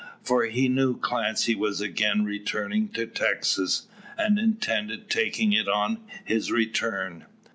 For he knew Clancy was again returning to Texas, and intended taking it on his return.